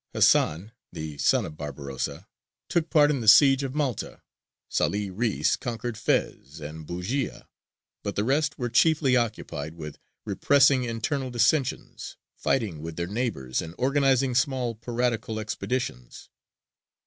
Hasan the son of Barbarossa took part in the siege of Malta, Sālih Reïs conquered Fez and Bujēya; but the rest were chiefly occupied with repressing internal dissensions, fighting with their neighbours, and organizing small piratical expeditions.